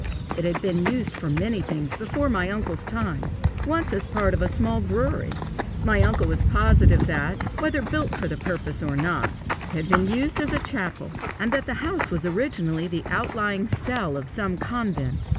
It had been used for many things before my uncle's time once as part of a small brewery. My uncle was positive that, whether built for the purpose or not, it had been used as a chapel, and that the house was originally the out lying cell of some convent.